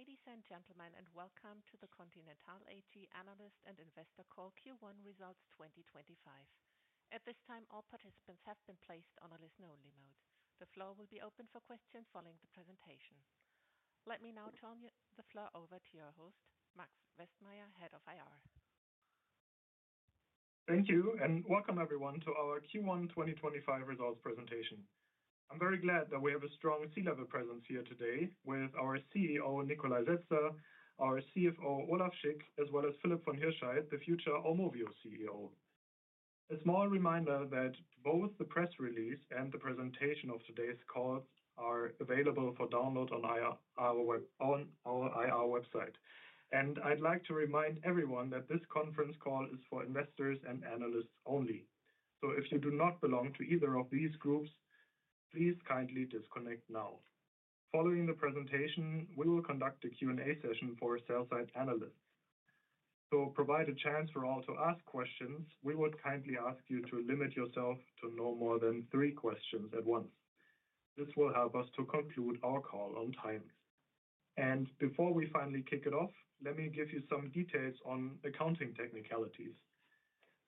Good afternoon, ladies and gentlemen, and welcome to the Continental AG Analyst and Investor Call, Q1 Results 2025. At this time, all participants have been placed on a listen-only mode. The floor will be open for questions following the presentation. Let me now turn the floor over to your host, Max Westmeyer, Head of IR. Thank you, and welcome everyone to our Q1 2025 results presentation. I'm very glad that we have a strong C-level presence here today with our CEO, Nikolai Setzer, our CFO, Olaf Schick, as well as Philipp von Hirschheydt, the future AUMOVIO CEO. A small reminder that both the press release and the presentation of today's calls are available for download on our IR website. I would like to remind everyone that this conference call is for investors and analysts only. If you do not belong to either of these groups, please kindly disconnect now. Following the presentation, we will conduct a Q&A session for sell-side analysts. To provide a chance for all to ask questions, we would kindly ask you to limit yourself to no more than three questions at once. This will help us to conclude our call on time. Before we finally kick it off, let me give you some details on accounting technicalities.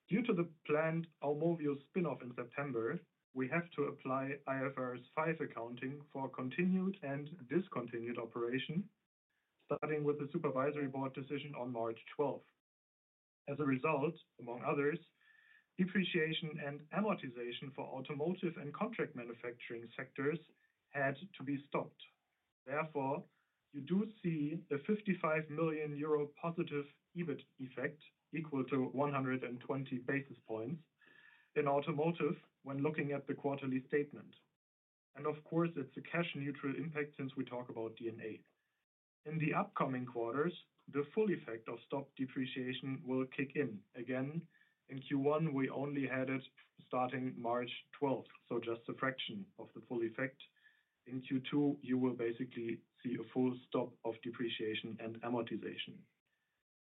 Due to the planned AUMOVIO spinoff in September, we have to apply IFRS 5 accounting for continued and discontinued operation, starting with the Supervisory Board decision on March 12. As a result, among others, depreciation and amortization for Automotive and Contract Manufacturing sectors had to be stopped. Therefore, you do see a 55 million euro positive EBIT effect equal to 120 basis points in Automotive when looking at the quarterly statement. Of course, it's a cash-neutral impact since we talk about D and A. In the upcoming quarters, the full effect of stopped depreciation will kick in. Again, in Q1, we only had it starting March 12, so just a fraction of the full effect. In Q2, you will basically see a full stop of depreciation and amortization.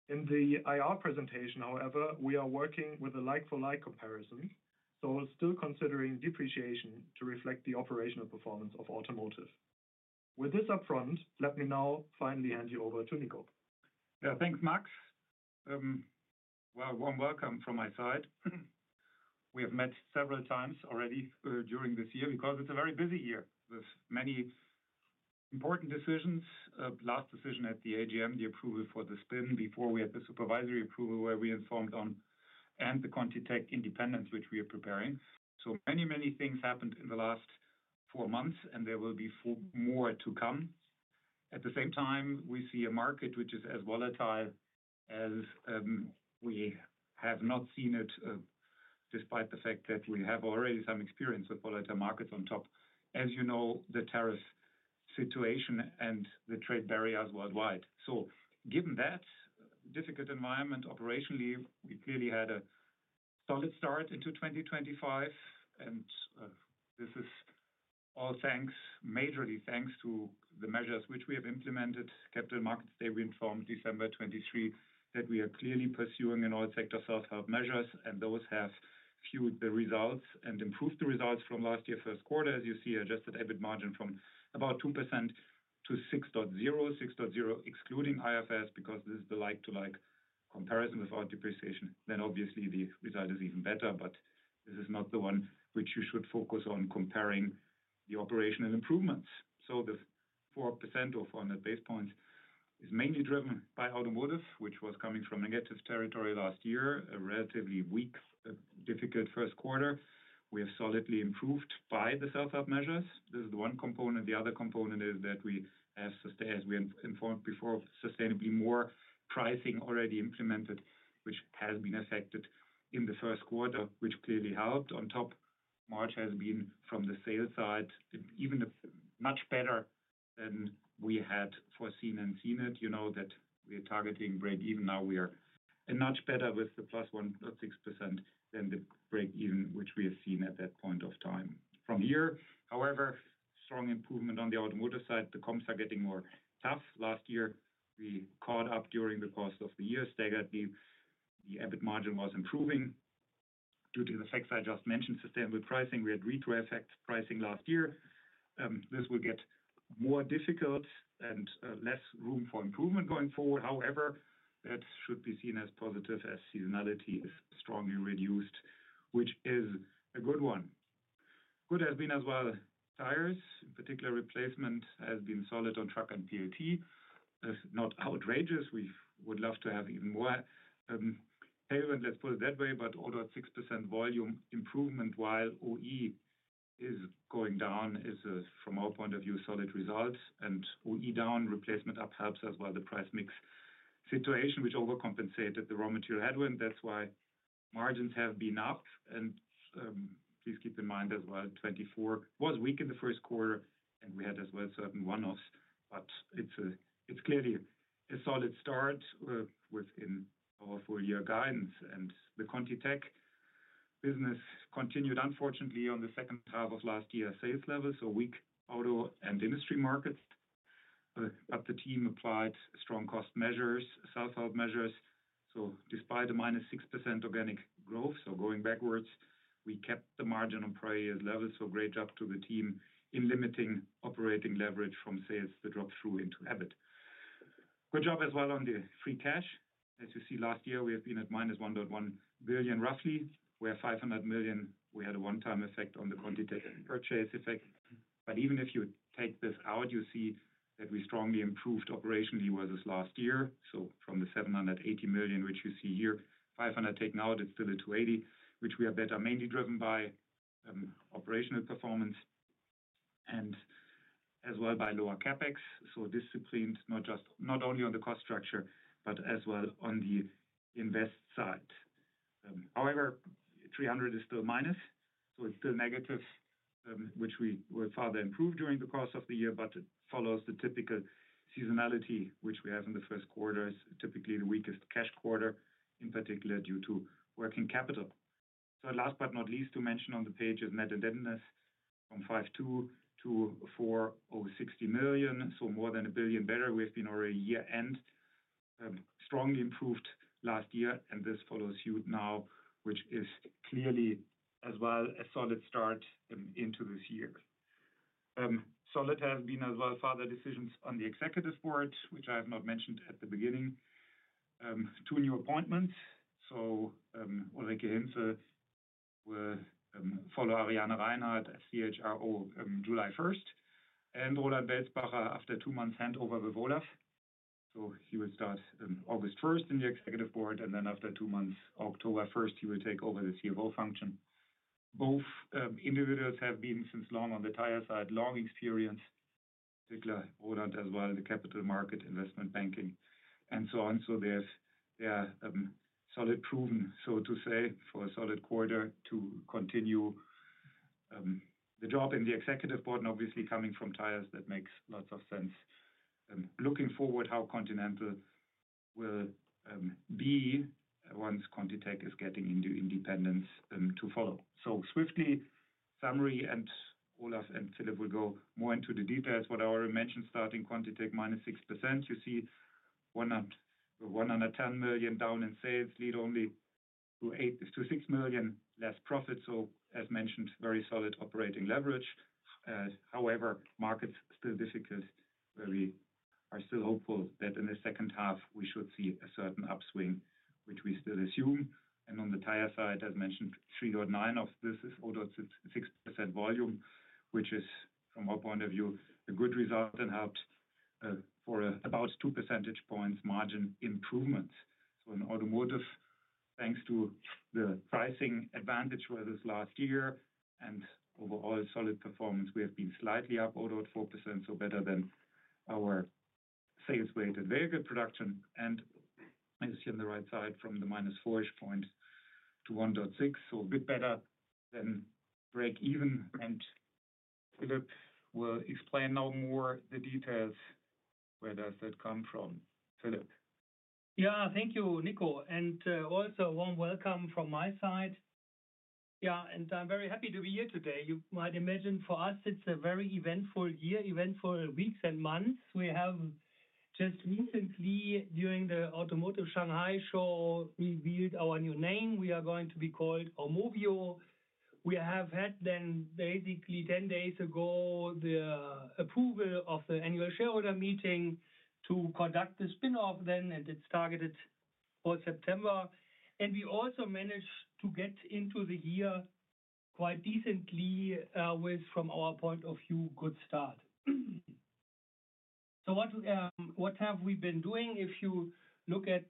In the IR presentation, however, we are working with a like-for-like comparison, so still considering depreciation to reflect the operational performance of Automotive. With this upfront, let me now finally hand you over to Niko. Yeah, thanks, Max. Warm welcome from my side. We have met several times already during this year because it's a very busy year with many important decisions. Last decision at the AGM, the approval for the spin before we had the supervisory approval where we informed on and the ContiTech independence, which we are preparing. Many, many things happened in the last four months, and there will be more to come. At the same time, we see a market which is as volatile as we have not seen it, despite the fact that we have already some experience with volatile markets. On top, as you know, the tariff situation and the trade barriers worldwide. Given that difficult environment operationally, we clearly had a solid start into 2025. This is all thanks, majorly thanks to the measures which we have implemented. Capital Markets Day we informed December 2023 that we are clearly pursuing in all sectors self-help measures, and those have fueled the results and improved the results from last year's first quarter. As you see, adjusted EBIT margin from about 2% to 6.0%, 6.0% excluding IFRS because this is the like-to-like comparison without depreciation. Obviously the result is even better, but this is not the one which you should focus on comparing the operational improvements. The 4% or 400 basis points is mainly driven by Automotive, which was coming from negative territory last year, a relatively weak, difficult first quarter. We have solidly improved by the self-help measures. This is the one component. The other component is that we have, as we informed before, sustainably more pricing already implemented, which has been affected in the first quarter, which clearly helped. On top, March has been from the sale side even much better than we had foreseen and seen it. You know that we are targeting break-even. Now we are a notch better with the plus 1.6% than the break-even which we have seen at that point of time. From here, however, strong improvement on the Automotive side. The comps are getting more tough. Last year, we caught up during the course of the year staggeredly. The EBIT margin was improving due to the facts I just mentioned, sustainable pricing. We had retro-effect pricing last year. This will get more difficult and less room for improvement going forward. However, that should be seen as positive as seasonality is strongly reduced, which is a good one. Good has been as well. Tires, in particular, replacement has been solid on truck and POT. It's not outrageous. We would love to have even more payment, let's put it that way, but although 6% volume improvement while OE is going down is, from our point of view, solid results. OE down, replacement up helps as well the price mix situation, which overcompensated the raw material headwind. That's why margins have been up. Please keep in mind as well 2024 was weak in the first quarter and we had as well certain one-offs, but it's clearly a solid start within our full year guidance. The ContiTech business continued, unfortunately, on the second half of last year's sales levels, so weak auto and industry markets. The team applied strong cost measures, self-help measures. Despite a -6% organic growth, so going backwards, we kept the margin on prior year's levels. Great job to the team in limiting operating leverage from sales, the drop-through into EBIT. Good job as well on the free cash. As you see, last year we have been at -1.1 billion roughly. We are 500 million. We had a one-time effect on the ContiTech purchase effect. Even if you take this out, you see that we strongly improved operationally versus last year. From the 780 million, which you see here, 500 million taken out, it is still a 280 million, which we are better, mainly driven by operational performance and as well by lower CapEx. Disciplined, not just not only on the cost structure, but as well on the invest side. However, 300 is still minus, so it's still negative, which we will further improve during the course of the year, but it follows the typical seasonality, which we have in the first quarters, typically the weakest cash quarter, in particular due to working capital. Last but not least to mention on the page is net indebtedness from 5.2 million-4.6 million, so more than a billion better. We have been already year-end, strongly improved last year, and this follows huge now, which is clearly as well a solid start into this year. Solid has been as well further decisions on the Executive Board, which I have not mentioned at the beginning. Two new appointments. Ulrike Hintze will follow Ariane Reinhardt as CHRO July 1, and Roland Welzbacher after two months handover with Olaf. He will start August 1 in the Executive Board, and then after two months, October 1, he will take over the CFO function. Both individuals have been since long on the tire side, long experience, particularly Roland as well, the capital market, investment banking, and so on. They are solid proven, so to say, for a solid quarter to continue the job in the Executive Board, and obviously coming from Tires, that makes lots of sense. Looking forward, how Continental will be once ContiTech is getting into independence to follow. Swiftly, summary, and Olaf and Philipp will go more into the details. What I already mentioned, starting ContiTech -6%, you see 110 million down in sales, lead only to 6 million less profit. As mentioned, very solid operating leverage. However, markets still difficult, where we are still hopeful that in the second half, we should see a certain upswing, which we still assume. On the tire side, as mentioned, [3.9 billion] of this is 0.6% volume, which is from our point of view a good result and helped for about 2 percentage points margin improvements. In Automotive, thanks to the pricing advantage versus last year and overall solid performance, we have been slightly up 0.4%, so better than our sales-weighted vehicle production. As you see on the right side, from the minus 4-ish point to 1.6, a bit better than break-even. Philipp will explain no more the details. Where does that come from, Philipp? Yeah, thank you, Niko. Also a warm welcome from my side. Yeah, I'm very happy to be here today. You might imagine for us, it's a very eventful year, eventful weeks and months. We have just recently, during the Automotive Shanghai Show, revealed our new name. We are going to be called AUMOVIO. We have had then basically 10 days ago the approval of the annual shareholder meeting to conduct the spinoff, and it's targeted for September. We also managed to get into the year quite decently with, from our point of view, a good start. What have we been doing? If you look at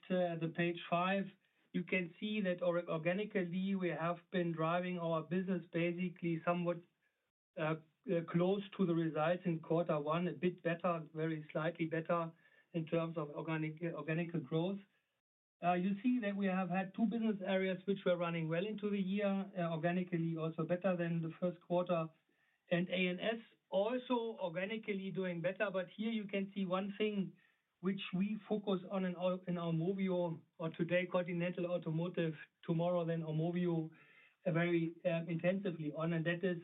page five, you can see that organically we have been driving our business basically somewhat close to the results in quarter one, a bit better, very slightly better in terms of organic growth. You see that we have had two business areas which were running well into the year, organically also better than the first quarter. A&S also organically doing better. Here you can see one thing which we focus on in AUMOVIO or today Continental Automotive, tomorrow then AUMOVIO very intensively on, and that is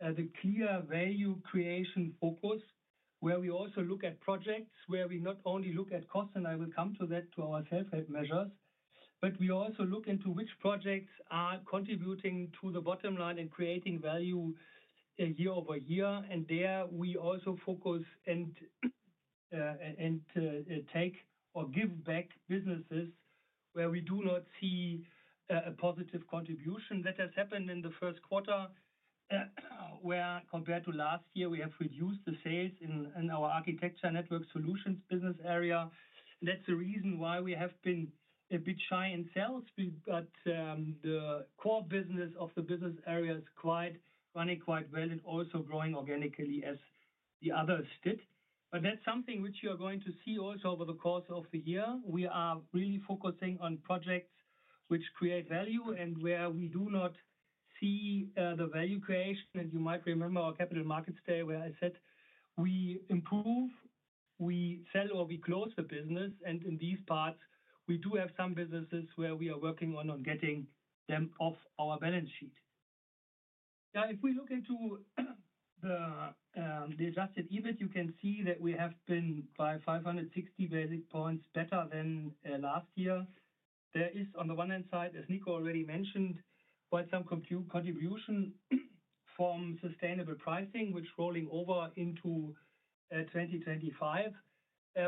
the clear value creation focus, where we also look at projects where we not only look at costs, and I will come to that to our self-help measures, but we also look into which projects are contributing to the bottom line and creating value year over year. There we also focus and take or give back businesses where we do not see a positive contribution. That has happened in the first quarter where compared to last year, we have reduced the sales in our Architecture Network Solutions business area. That is the reason why we have been a bit shy in sales, but the core business of the business area is running quite well and also growing organically as the others did. That is something which you are going to see also over the course of the year. We are really focusing on projects which create value and where we do not see the value creation. You might remember our capital markets day where I said we improve, we sell or we close the business. In these parts, we do have some businesses where we are working on getting them off our balance sheet. If we look into the adjusted EBIT, you can see that we have been by 560 basis points better than last year. There is, on the one hand side, as Niko already mentioned, quite some contribution from sustainable pricing, which is rolling over into 2025.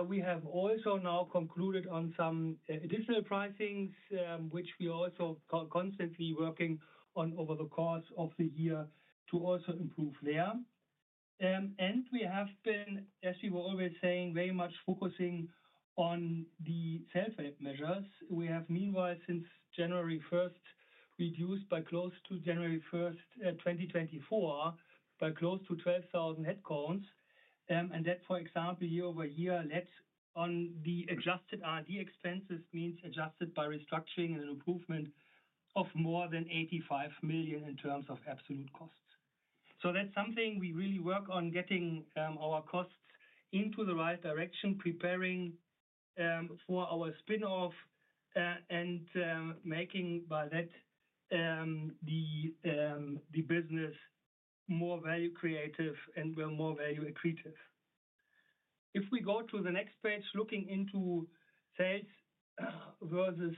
We have also now concluded on some additional pricings, which we are also constantly working on over the course of the year to also improve there. We have been, as we were always saying, very much focusing on the self-help measures. We have meanwhile, since January 1st, reduced by close to January 1st, 2024, by close to 12,000 headcounts. That, for example, year-over-year, led on the adjusted R&D expenses, means adjusted by restructuring and an improvement of more than 85 million in terms of absolute costs. That is something we really work on getting our costs into the right direction, preparing for our spinoff and making by that the business more value creative and more value accretive. If we go to the next page, looking into sales versus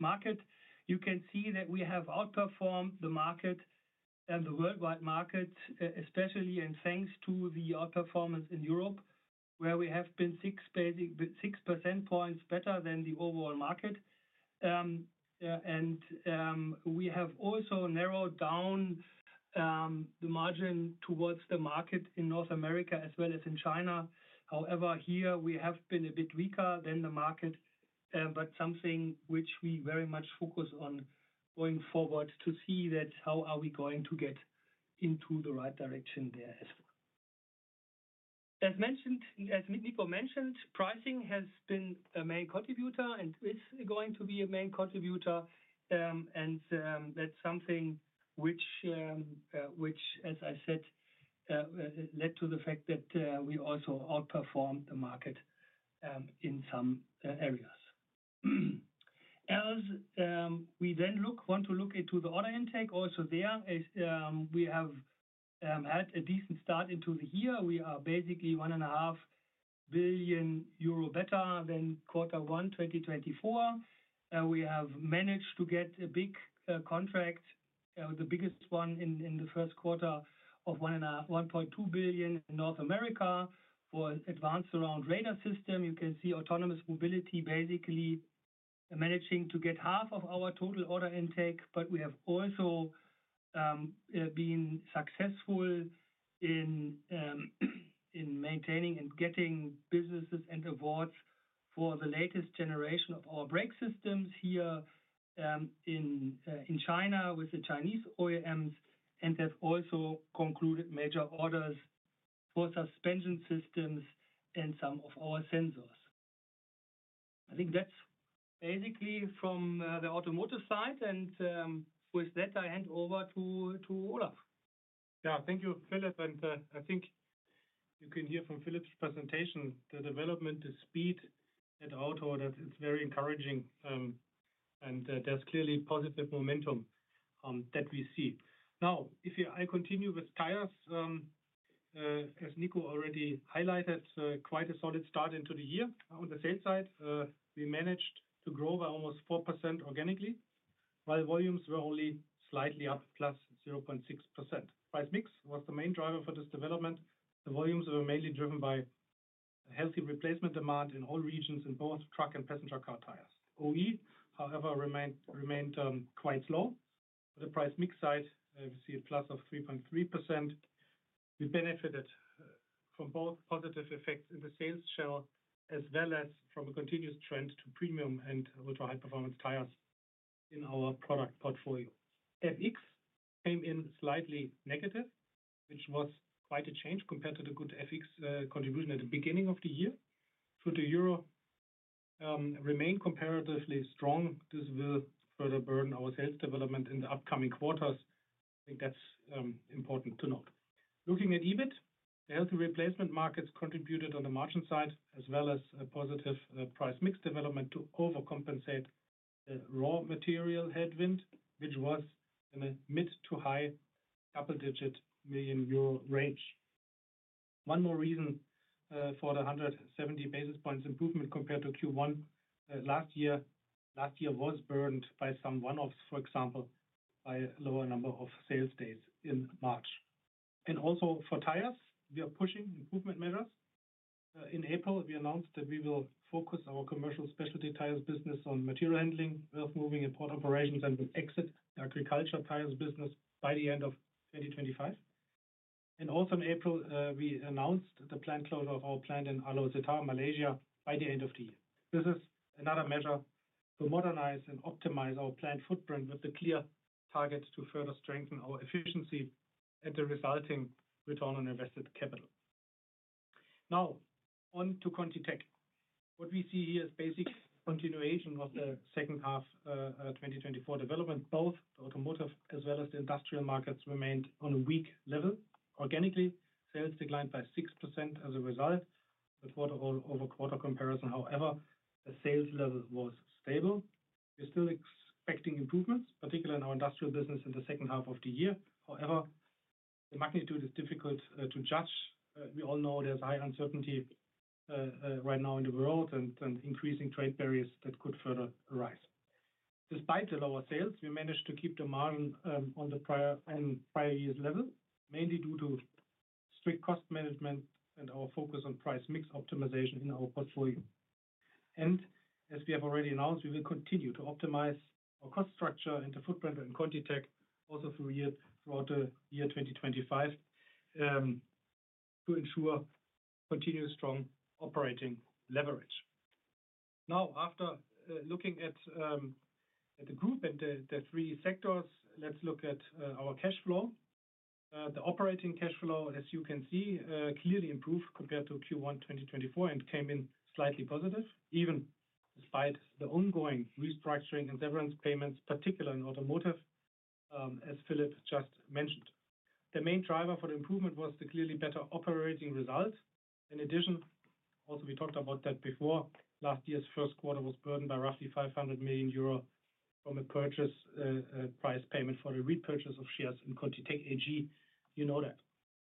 market, you can see that we have outperformed the market and the worldwide market, especially thanks to the outperformance in Europe, where we have been 6 percentage points better than the overall market. We have also narrowed down the margin towards the market in North America as well as in China. However, here we have been a bit weaker than the market, but something which we very much focus on going forward to see how we are going to get into the right direction there as well. As Niko mentioned, pricing has been a main contributor and is going to be a main contributor. That is something which, as I said, led to the fact that we also outperformed the market in some areas. Else we then want to look into the order intake. Also there, we have had a decent start into the year. We are basically 1.5 billion euro better than quarter one 2024. We have managed to get a big contract, the biggest one in the first quarter of 1.2 billion in North America for advanced surround radar system. You can see autonomous mobility basically managing to get half of our total order intake. We have also been successful in maintaining and getting businesses and awards for the latest generation of our brake systems here in China with the Chinese OEMs. They have also concluded major orders for suspension systems and some of our sensors. I think that is basically from the Automotive side. With that, I hand over to Olaf. Yeah, thank you, Philipp. I think you can hear from Philipp's presentation, the development, the speed at Auto, that it's very encouraging. There's clearly positive momentum that we see. If I continue with Tires, as Niko already highlighted, quite a solid start into the year on the sales side. We managed to grow by almost 4% organically, while volumes were only slightly up, +0.6%. Price mix was the main driver for this development. The volumes were mainly driven by healthy replacement demand in all regions in both truck and passenger car tires. OE, however, remained quite slow. On the price mix side, we see a plus of 3.3%. We benefited from both positive effects in the sales shell as well as from a continuous trend to premium and ultra high performance tires in our product portfolio. FX came in slightly negative, which was quite a change compared to the good FX contribution at the beginning of the year. Should the euro remain comparatively strong, this will further burden our sales development in the upcoming quarters. I think that's important to note. Looking at EBIT, the healthy replacement markets contributed on the margin side as well as a positive price mix development to overcompensate the raw material headwind, which was in a mid to high double-digit million Euro range. One more reason for the 170 basis points improvement compared to Q1 last year, last year was burdened by some one-offs, for example, by a lower number of sales days in March. Also for Tires, we are pushing improvement measures. In April, we announced that we will focus our commercial specialty tires business on material handling, earth moving and port operations, and will exit the agriculture tires business by the end of 2025. Also in April, we announced the plant closure of our plant in Alor Setar, Malaysia, by the end of the year. This is another measure to modernize and optimize our plant footprint with the clear target to further strengthen our efficiency and the resulting return on invested capital. Now, on to ContiTech. What we see here is basic continuation of the second half 2024 development. Both the Automotive as well as the industrial markets remained on a weak level. Organically, sales declined by 6% as a result. The quarter-over-quarter comparison, however, the sales level was stable. We're still expecting improvements, particularly in our industrial business in the second half of the year. However, the magnitude is difficult to judge. We all know there's high uncertainty right now in the world and increasing trade barriers that could further arise. Despite the lower sales, we managed to keep the margin on the prior year's level, mainly due to strict cost management and our focus on price mix optimization in our portfolio. As we have already announced, we will continue to optimize our cost structure and the footprint in ContiTech also throughout the year 2025 to ensure continued strong operating leverage. Now, after looking at the group and the three sectors, let's look at our cash flow. The operating cash flow, as you can see, clearly improved compared to Q1 2024 and came in slightly positive, even despite the ongoing restructuring and severance payments, particularly in Automotive, as Philipp just mentioned. The main driver for the improvement was the clearly better operating result. In addition, also we talked about that before, last year's first quarter was burdened by roughly 500 million euro from a purchase price payment for the repurchase of shares in ContiTech AG. You know that.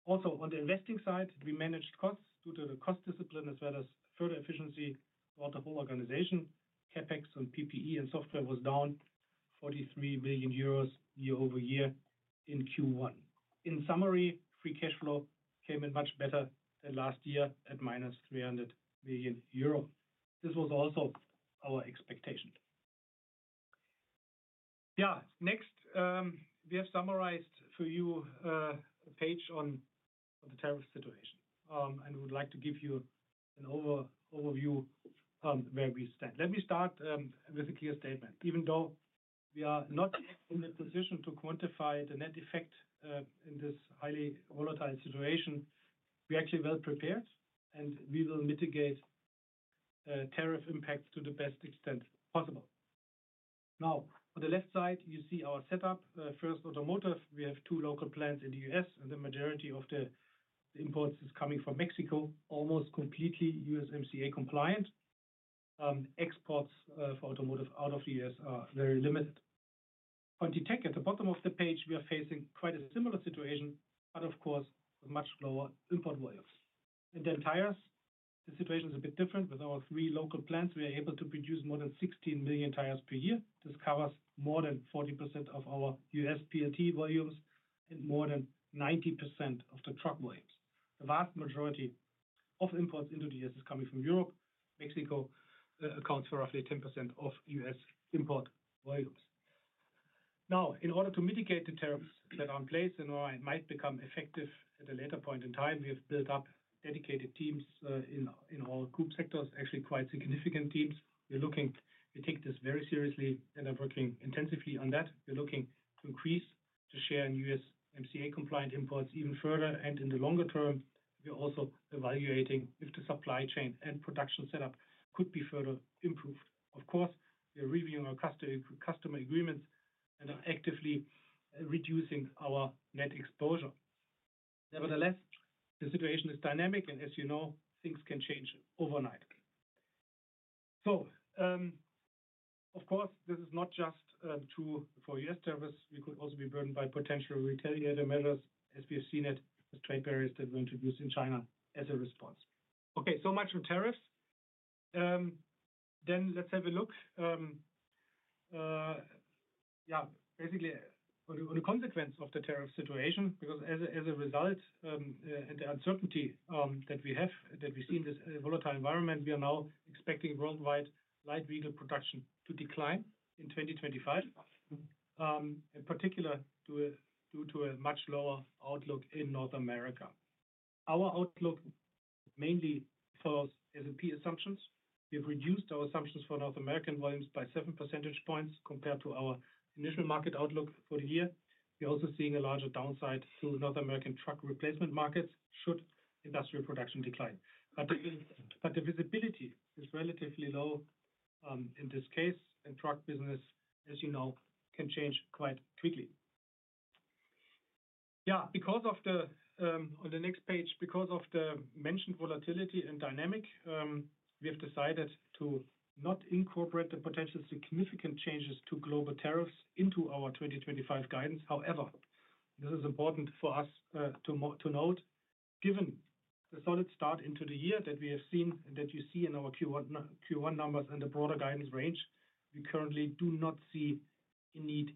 Also, on the investing side, we managed costs due to the cost discipline as well as further efficiency throughout the whole organization. CapEx on PPE and software was down 43 million euros year-over-year in Q1. In summary, free cash flow came in much better than last year at -300 million euro. This was also our expectation. Yeah, next, we have summarized for you a page on the tariff situation. We'd like to give you an overview of where we stand. Let me start with a clear statement. Even though we are not in the position to quantify the net effect in this highly volatile situation, we're actually well prepared and we will mitigate tariff impacts to the best extent possible. Now, on the left side, you see our setup. First, Automotive. We have two local plants in the U.S., and the majority of the imports is coming from Mexico, almost completely USMCA compliant. Exports for Automotive out of the U.S. are very limited. ContiTech, at the bottom of the page, we are facing quite a similar situation, but of course, with much lower import volumes. Then Tires, the situation is a bit different. With our three local plants, we are able to produce more than 16 million tires per year. This covers more than 40% of our U.S. PLT volumes and more than 90% of the truck volumes. The vast majority of imports into the U.S. is coming from Europe. Mexico accounts for roughly 10% of U.S. import volumes. Now, in order to mitigate the tariffs that are in place and might become effective at a later point in time, we have built up dedicated teams in our group sectors, actually quite significant teams. We take this very seriously and are working intensively on that. We are looking to increase, to share in USMCA compliant imports even further. In the longer term, we are also evaluating if the supply chain and production setup could be further improved. Of course, we are reviewing our customer agreements and are actively reducing our net exposure. Nevertheless, the situation is dynamic, and, you know, things can change overnight. Of course, this is not just true for U.S. tariffs. We could also be burdened by potential retaliatory measures, as we have seen it, as trade barriers that were introduced in China as a response. Okay, so much on tariffs. Let's have a look, basically, at the consequence of the tariff situation, because as a result, and the uncertainty that we have, that we see in this volatile environment, we are now expecting worldwide light vehicle production to decline in 2025, in particular due to a much lower outlook in North America. Our outlook mainly follows S&P assumptions. We have reduced our assumptions for North American volumes by 7 percentage points compared to our initial market outlook for the year. We are also seeing a larger downside to North American truck replacement markets should industrial production decline. The visibility is relatively low in this case, and truck business, as you know, can change quite quickly. Yeah, because of the, on the next page, because of the mentioned volatility and dynamic, we have decided to not incorporate the potential significant changes to global tariffs into our 2025 guidance. However, this is important for us to note, given the solid start into the year that we have seen and that you see in our Q1 numbers and the broader guidance range, we currently do not see a need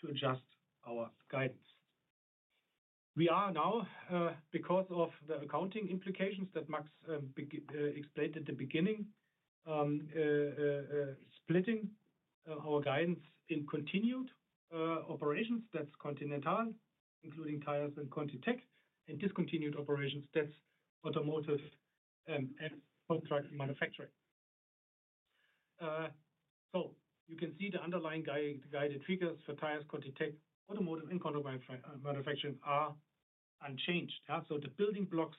to adjust our guidance. We are now, because of the accounting implications that Max explained at the beginning, splitting our guidance in continued operations, that's Continental, including Tires and ContiTech, and discontinued operations, that's Automotive and Contract Manufacturing. You can see the underlying guided triggers for Tires, ContiTech, Automotive, and Contract Manufacturing are unchanged. The building blocks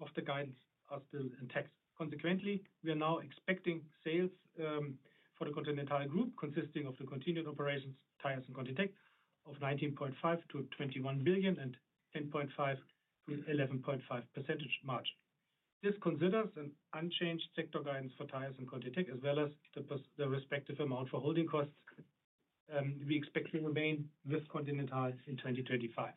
of the guidance are still intact. Consequently, we are now expecting sales for the Continental group consisting of the continued operations, Tires, and ContiTech of 19.5 billion-21 billion and 10.5%-11.5% margin. This considers an unchanged sector guidance for Tires and ContiTech as well as the respective amount for holding costs. We expect to remain with Continental in 2025.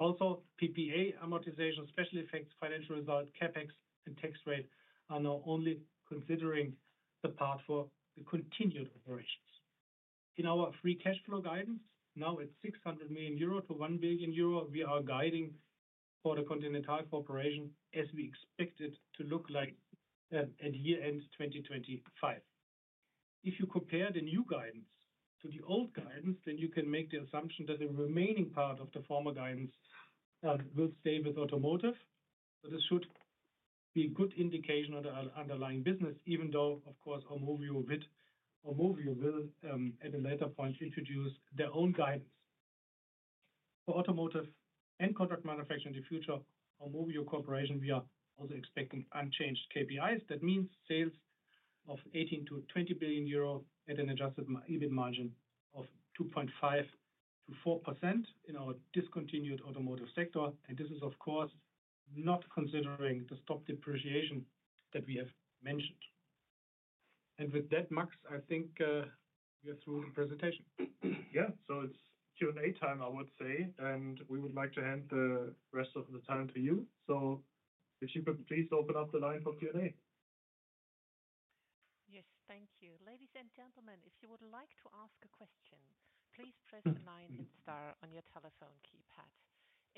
Also, PPA amortization, special effects, financial result, CapEx, and tax rate are now only considering the part for the continued operations. In our free cash flow guidance, now at 600 million-1 billion euros, we are guiding for the Continental corporation as we expect it to look like at year end 2025. If you compare the new guidance to the old guidance, then you can make the assumption that the remaining part of the former guidance will stay with Automotive. This should be a good indication of the underlying business, even though, of course, AUMOVIO will, at a later point, introduce their own guidance. For Automotive and Contract Manufacturing in the future, AUMOVIO Corporation, we are also expecting unchanged KPIs. That means sales of 18 billion-20 billion euro at an adjusted EBIT margin of 2.5%-4% in our discontinued Automotive sector. This is, of course, not considering the stop depreciation that we have mentioned. With that, Max, I think we are through the presentation. Yeah, it's Q&A time, I would say, and we would like to hand the rest of the time to you. If you could please open up the line for Q&A. Yes, thank you. Ladies and gentlemen, if you would like to ask a question, please press nine and star on your telephone keypad.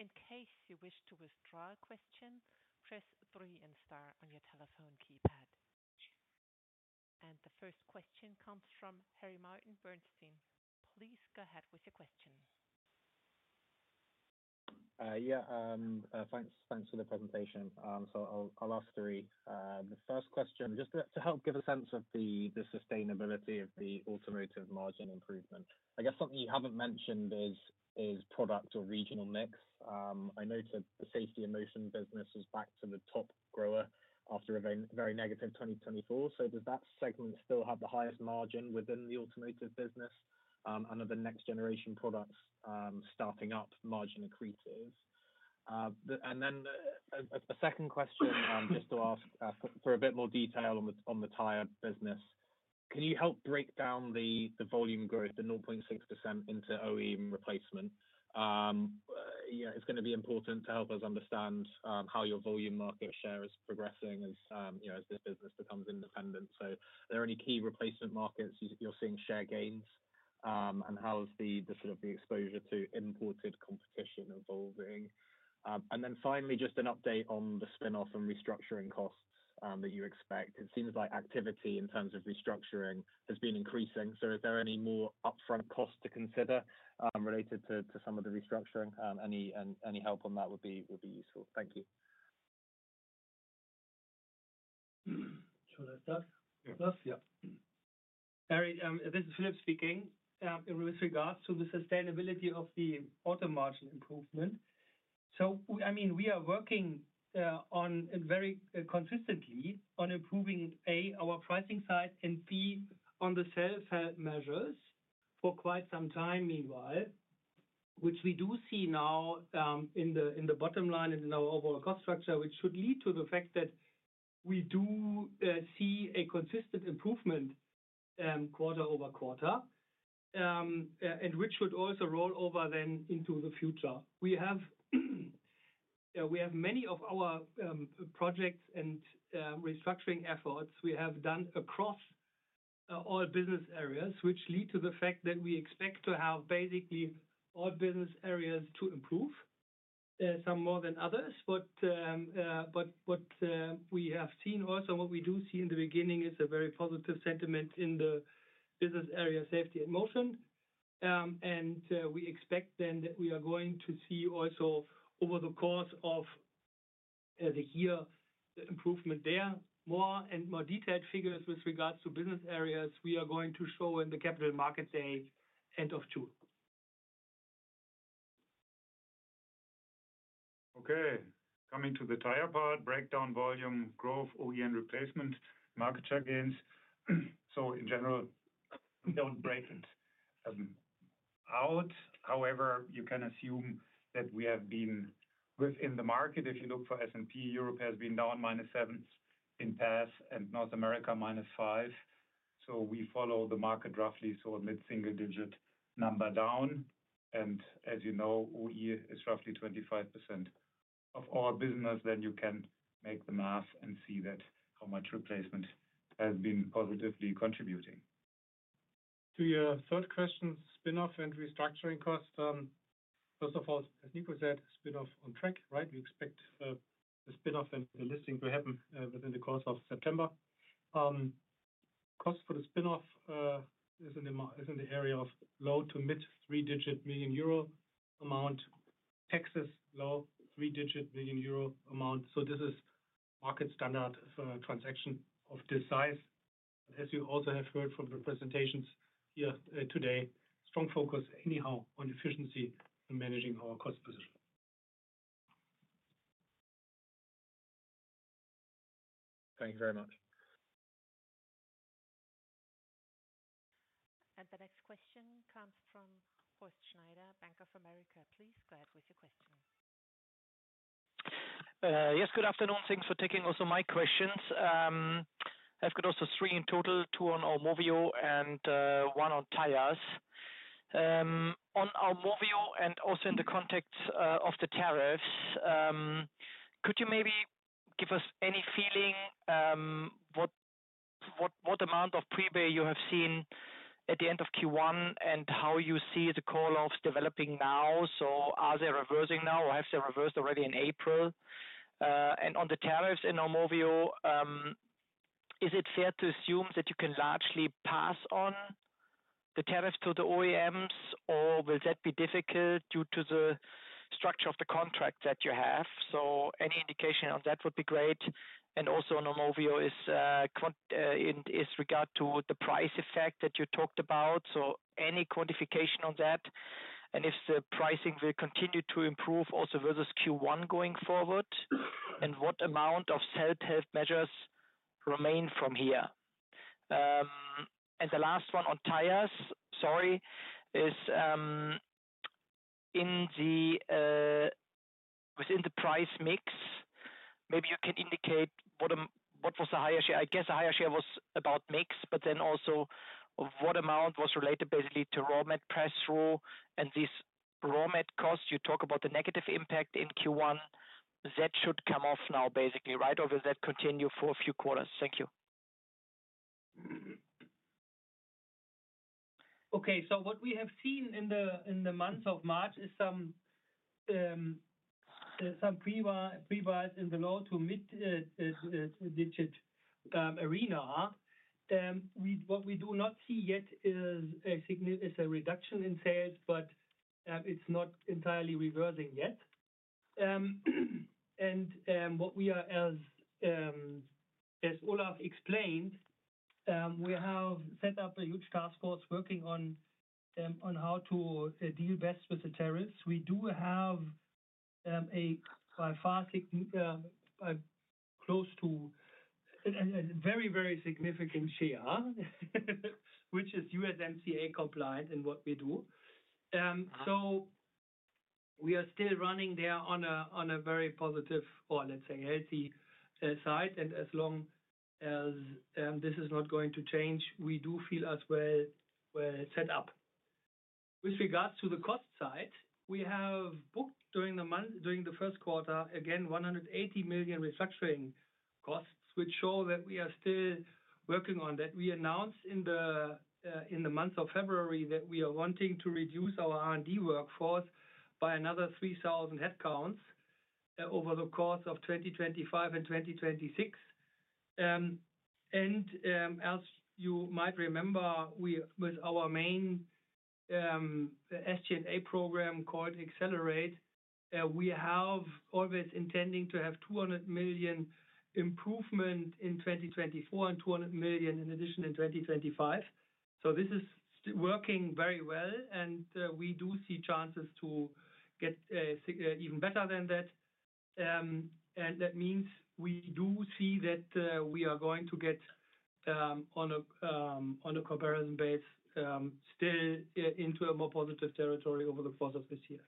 In case you wish to withdraw a question, press three and star on your telephone keypad. The first question comes from Harry Martin Bernstein. Please go ahead with your question. Yeah, thanks for the presentation. I'll ask three. The first question, just to help give a sense of the sustainability of the Automotive margin improvement, I guess something you haven't mentioned is product or regional mix. I noted the Safety and Motion business was back to the top grower after a very negative 2024. Does that segment still have the highest margin within the Automotive business under the next generation products starting up margin increases? A second question, just to ask for a bit more detail on the tire business, can you help break down the volume growth, the 0.6% into OEM replacement? It's going to be important to help us understand how your volume market share is progressing as this business becomes independent. Are there any key replacement markets you're seeing share gains? How is the sort of the exposure to imported competition evolving? Finally, just an update on the spinoff and restructuring costs that you expect. It seems like activity in terms of restructuring has been increasing. Is there any more upfront costs to consider related to some of the restructuring? Any help on that would be useful. Thank you. Should I start? Yep. Harry. This is Philipp speaking with regards to the sustainability of the auto margin improvement. I mean, we are working very consistently on improving A, our pricing side, and B, on the sales measures for quite some time meanwhile, which we do see now in the bottom line and in our overall cost structure, which should lead to the fact that we do see a consistent improvement quarter-over-quarter, and which should also roll over then into the future. We have many of our projects and restructuring efforts we have done across all business areas, which lead to the fact that we expect to have basically all business areas to improve, some more than others. What we have seen also, what we do see in the beginning is a very positive sentiment in the business area Safety and Motion. We expect then that we are going to see also over the course of the year improvement there, more and more detailed figures with regards to business areas we are going to show in the capital market day end of June. Okay. Coming to the tire part, breakdown volume, growth, OEM replacement, market share gains. In general, do not break it out. However, you can assume that we have been within the market. If you look for S&P, Europe has been down -7 in pass and North America -5. We follow the market roughly, sort of mid-single digit number down. As you know, OE is roughly 25% of our business. You can make the math and see how much replacement has been positively contributing. To your third question, spinoff and restructuring costs. First of all, as Niko said, spinoff on track, right? We expect the spinoff and the listing to happen within the course of September. Cost for the spinoff is in the area of low to mid three-digit million Euro amount. Taxes low three-digit million Euro amount. This is market standard for a transaction of this size. As you also have heard from the presentations here today, strong focus anyhow on efficiency and managing our cost position. Thank you very much. The next question comes from Horst Schneider, Bank of America. Please go ahead with your question. Yes, good afternoon. Thanks for taking also my questions. I've got also three in total, two on AUMOVIO and one on Tires. On AUMOVIO and also in the context of the tariffs, could you maybe give us any feeling what amount of prepay you have seen at the end of Q1 and how you see the call-offs developing now? Are they reversing now or have they reversed already in April? On the tariffs in AUMOVIO, is it fair to assume that you can largely pass on the tariffs to the OEMs, or will that be difficult due to the structure of the contract that you have? Any indication on that would be great. Also on AUMOVIO is regard to the price effect that you talked about. Any quantification on that? If the pricing will continue to improve also versus Q1 going forward, and what amount of sales measures remain from here? The last one on Tires, sorry, is within the price mix, maybe you can indicate what was the higher share? I guess the higher share was about mix, but then also what amount was related basically to raw mat press through and these raw mat costs? You talk about the negative impact in Q1. That should come off now basically, right? Or will that continue for a few quarters? Thank you. Okay, what we have seen in the month of March is some prebuys in the low to mid-digit arena. What we do not see yet is a reduction in sales, but it is not entirely reversing yet. What we are, as Olaf explained, we have set up a huge task force working on how to deal best with the tariffs. We do have a close to a very, very significant share, which is USMCA compliant in what we do. We are still running there on a very positive, or let's say healthy side. As long as this is not going to change, we do feel as well set up. With regards to the cost side, we have booked during the first quarter, again, 180 million restructuring costs, which show that we are still working on that. We announced in the month of February that we are wanting to reduce our R&D workforce by another 3,000 headcounts over the course of 2025 and 2026. As you might remember, with our main SG&A program called Accelerate, we have always intended to have 200 million improvement in 2024 and 200 million in addition in 2025. This is working very well, and we do see chances to get even better than that. That means we do see that we are going to get on a comparison base still into a more positive territory over the course of this year.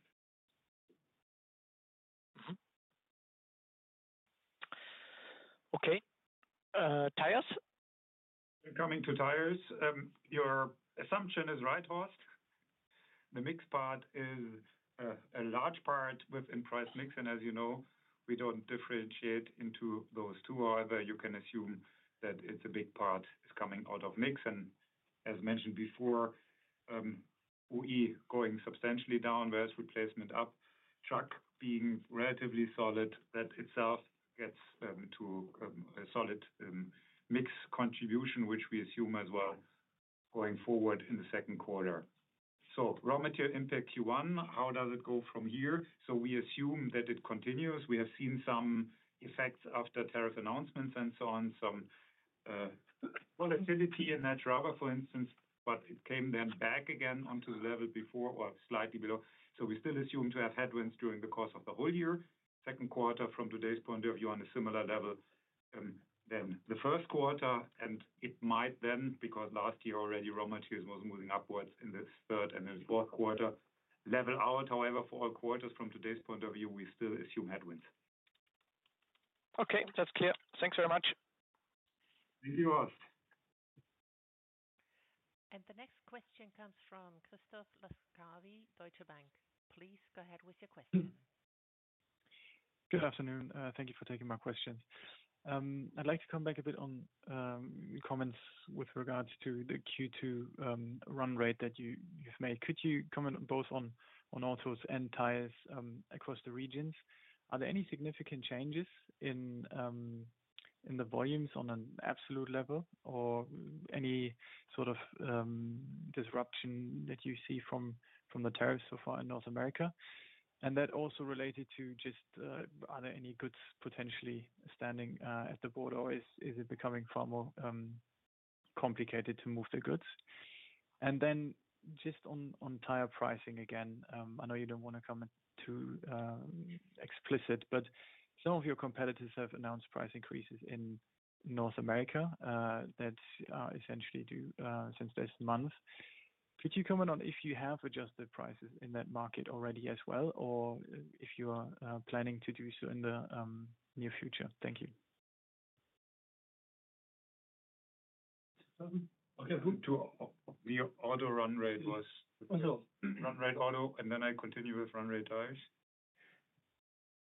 Okay. Tires? Coming to Tires, your assumption is right, Horst. The mix part is a large part within price mix. And as you know, we don't differentiate into those two. However, you can assume that it's a big part is coming out of mix. And as mentioned before, OE going substantially down, whereas replacement up, truck being relatively solid, that itself gets to a solid mix contribution, which we assume as well going forward in the second quarter. Raw material impact Q1, how does it go from here? We assume that it continues. We have seen some effects after tariff announcements and so on, some volatility in that rubber, for instance, but it came then back again onto the level before or slightly below. We still assume to have headwinds during the course of the whole year, second quarter from today's point of view on a similar level than the first quarter. It might then, because last year already raw materials was moving upwards in the third and then fourth quarter, level out. However, for all quarters from today's point of view, we still assume headwinds. Okay, that's clear. Thanks very much. Thank you, Horst. The next question comes from Christoph Laskawi, Deutsche Bank. Please go ahead with your question. Good afternoon. Thank you for taking my question. I'd like to come back a bit on comments with regards to the Q2 run rate that you've made. Could you comment both on autos and Tires across the regions? Are there any significant changes in the volumes on an absolute level or any sort of disruption that you see from the tariffs so far in North America? That also related to just, are there any goods potentially standing at the border or is it becoming far more complicated to move the goods? Just on tire pricing again, I know you don't want to come too explicit, but some of your competitors have announced price increases in North America that essentially do since this month. Could you comment on if you have adjusted prices in that market already as well, or if you are planning to do so in the near future? Thank you. Okay, we have auto run rate was auto, and then I continue with run rate Tires.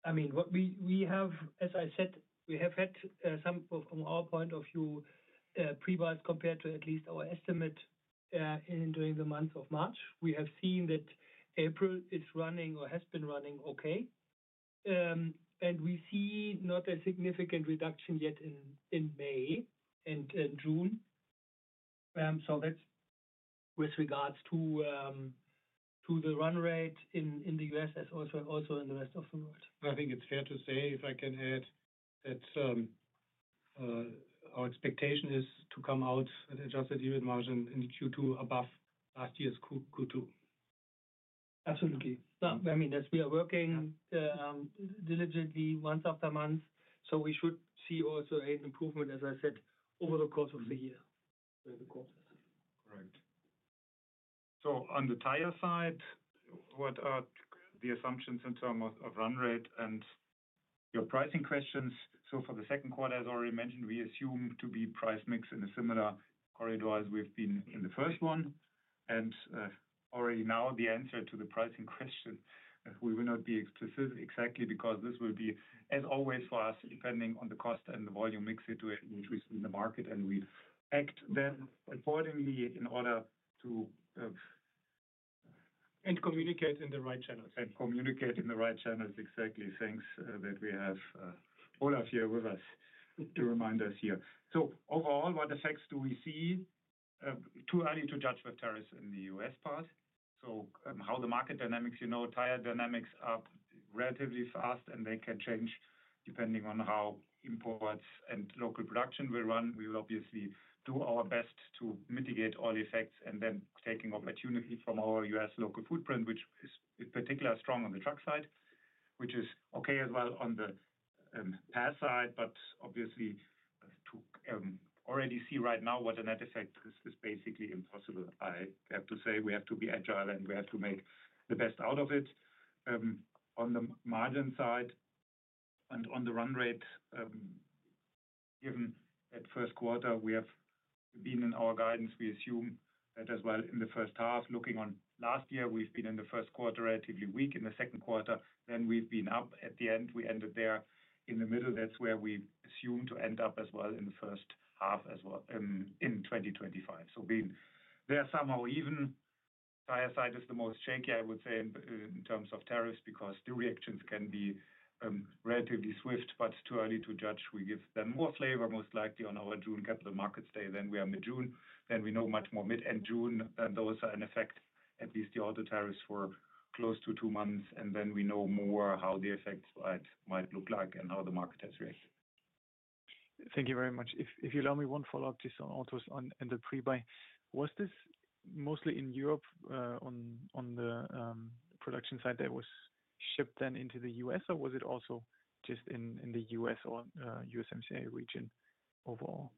I mean, we have, as I said, we have had some, from our point of view, prebuys compared to at least our estimate during the month of March. We have seen that April is running or has been running okay. We see not a significant reduction yet in May and June. That is with regards to the run rate in the U.S., as also in the rest of the world. I think it's fair to say, if I can add, that our expectation is to come out with adjusted unit margin in Q2 above last year's Q2. Absolutely. I mean, as we are working diligently month after month, we should see also an improvement, as I said, over the course of the year. Correct. On the tire side, what are the assumptions in terms of run rate and your pricing questions? For the second quarter, as I already mentioned, we assume to be price mixed in a similar corridor as we have been in the first one. Already now, the answer to the pricing question, we will not be explicit exactly because this will be, as always for us, depending on the cost and the volume mix situation in the market, and we act then accordingly in order to. Communicate in the right channels. Communicate in the right channels. Exactly. Thanks that we have Olaf here with us to remind us here. Overall, what effects do we see? Too early to judge with tariffs in the U.S. part. How the market dynamics, you know, tire dynamics up relatively fast, and they can change depending on how imports and local production will run. We will obviously do our best to mitigate all effects and then taking opportunity from our U.S. local footprint, which is particularly strong on the truck side, which is okay as well on the pass side. Obviously, to already see right now what an effect is, is basically impossible. I have to say we have to be agile and we have to make the best out of it. On the margin side and on the run rate, given that first quarter, we have been in our guidance, we assume that as well in the first half. Looking on last year, we've been in the first quarter relatively weak. In the second quarter, then we've been up at the end. We ended there in the middle. That's where we assume to end up as well in the first half as well in 2025. Being there somehow even tire side is the most shaky, I would say, in terms of tariffs because the reactions can be relatively swift. Too early to judge. We give them more flavor, most likely on our June capital markets day than we are mid-June. Then we know much more mid and June. Those are in effect, at least the auto tariffs for close to two months. We know more how the effects might look like and how the market has reacted. Thank you very much. If you allow me one follow-up just on autos and the prebuy. Was this mostly in Europe on the production side that was shipped then into the U.S., or was it also just in the U.S. or USMCA region overall?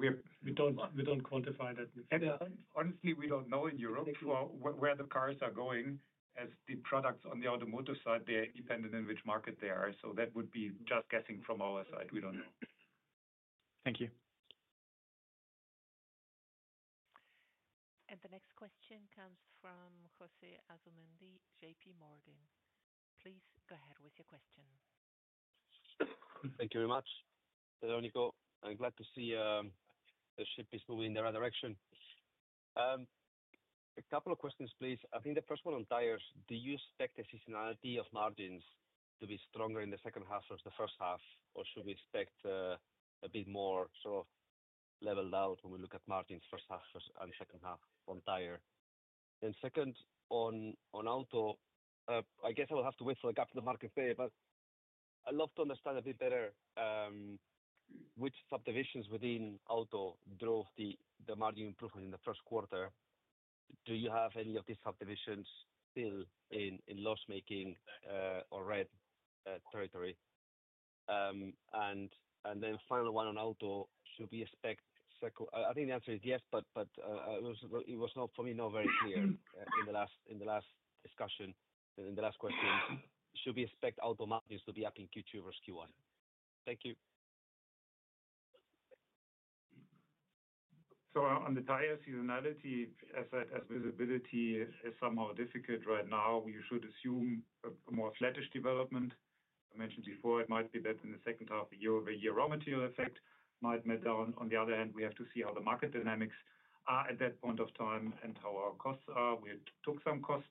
We don't quantify that. Honestly, we don't know in Europe where the cars are going as the products on the Automotive side. They're independent in which market they are. That would be just guessing from our side. We don't know. Thank you. The next question comes from José Asumendi, J.P. Morgan. Please go ahead with your question. Thank you very much, Niko. I'm glad to see the ship is moving in the right direction. A couple of questions, please. I think the first one on Tires, do you expect the seasonality of margins to be stronger in the second half versus the first half, or should we expect a bit more sort of leveled out when we look at margins, first half and second half on tire? Second, on auto, I guess I will have to wait for the capital markets day, but I'd love to understand a bit better which subdivisions within auto drove the margin improvement in the first quarter. Do you have any of these subdivisions still in loss-making or red territory? Final one on auto, should we expect? I think the answer is yes, but it was not for me very clear in the last discussion, in the last question. Should we expect auto margins to be up in Q2 versus Q1? Thank you. On the tire seasonality, as I said, visibility is somewhat difficult right now. You should assume a more flattish development. I mentioned before it might be that in the second half of the year, the raw material effect might melt down. On the other hand, we have to see how the market dynamics are at that point of time and how our costs are. We took some cost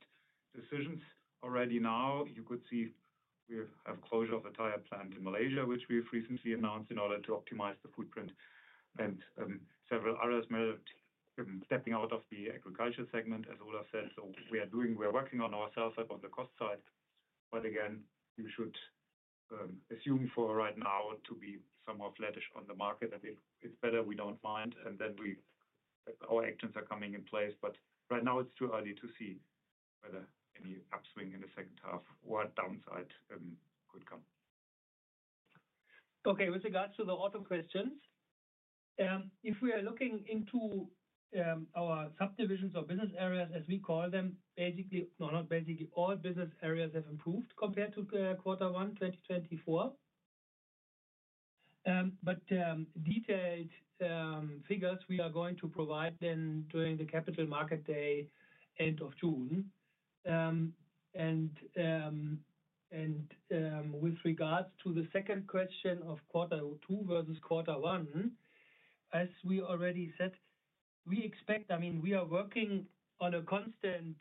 decisions already now. You could see we have closure of the tire plant in Malaysia, which we have recently announced in order to optimize the footprint. Several others are stepping out of the agriculture segment, as Olaf said. We are working on ourselves on the cost side. Again, you should assume for right now to be somewhat flattish on the market. I think it is better we do not mind, and then our actions are coming in place. Right now, it's too early to see whether any upswing in the second half or downside could come. Okay, with regards to the auto questions, if we are looking into our subdivisions or business areas, as we call them, basically, not basically, all business areas have improved compared to quarter one, 2024. Detailed figures we are going to provide then during the capital market day end of June. With regards to the second question of quarter two versus quarter one, as we already said, we expect, I mean, we are working on a constant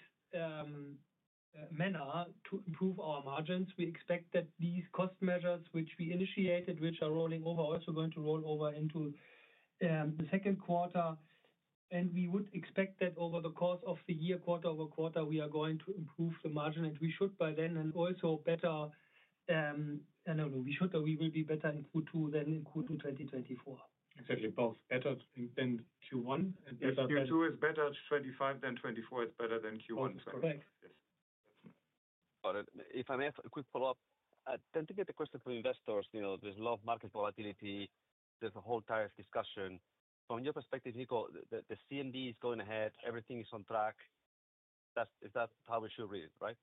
manner to improve our margins. We expect that these cost measures, which we initiated, which are rolling over, are also going to roll over into the second quarter. We would expect that over the course of the year, quarter-over-quarter, we are going to improve the margin. We should by then also better, I don't know, we should, we will be better in Q2 than in Q2 2024. Exactly. Both better than Q1. Yes, Q2 is better. 2025 than 2024 is better than Q1. Correct. Yes. Got it. If I may ask a quick follow-up, I tend to get the question from investors. There's a lot of market volatility. There's a whole Tires discussion. From your perspective, Nico, the CMD is going ahead. Everything is on track. Is that how we should read it, right?